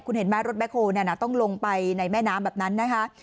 คุณเห็นไหมรถแคลต้องลงไปในแม่น้ำแบบนั้นนะคะ